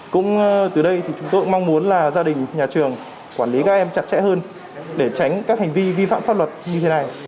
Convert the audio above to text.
cũng từ đây thì chúng tôi cũng mong muốn là gia đình nhà trường quản lý các em chặt chẽ hơn để tránh các hành vi vi phạm pháp luật như thế này